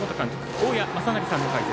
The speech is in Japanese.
大矢正成さんの解説。